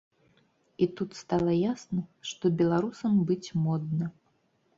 І тут стала ясна, што беларусам быць модна!